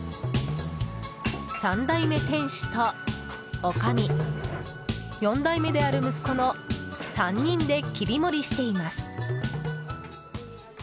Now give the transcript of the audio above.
３代目店主と女将４代目である息子の３人で切り盛りしています。